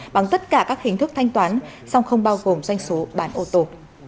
bằng tất cả các hình thức thanh toán song không bao gồm doanh số bán ô tô